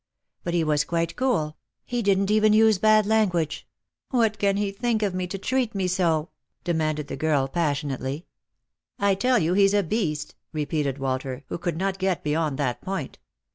But he was quite cool — he didn't even use bad language. What can he think of me to treat me so ?" demanded the girl passionately. " I tell you he's a beast," repeated Walter, who could not get beyond that point.